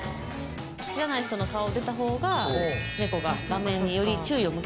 知らない人の顔出たほうが猫が画面により注意を向けた